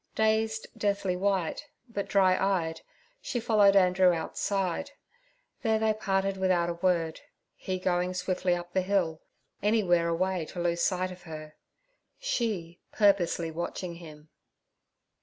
Dazed, deathly white, but dry eyed, she followed Andrew outside. There they parted without a word, he going swiftly up the hill, anywhere away to lose sight of her, she purposelessly watching him.